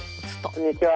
こんにちは。